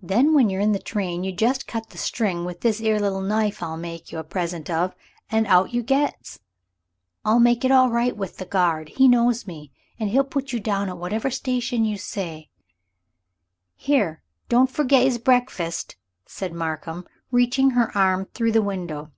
"Then when you're in the train you just cut the string with this 'ere little knife I'll make you a present of and out you gets. I'll make it all right with the guard. He knows me. And he'll put you down at whatever station you say." "Here, don't forget 'is breakfast," said Markham, reaching her arm through the window.